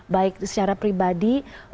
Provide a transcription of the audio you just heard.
baik secara pribadi